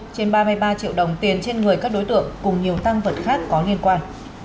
trên ba mươi ba triệu đồng tiền trên người các đối tượng cùng nhiều tăng vật khác có liên quan